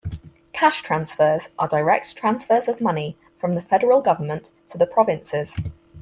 Cash transfers are direct transfers of money from the federal government to the provinces.